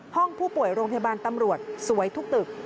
ห้องผู้ป่วยโรงพยาบาลตำรวจสวยทุกตึก